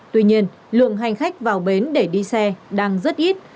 tuy nhiên lượng hành khách vào bến để đi xe đang rất ít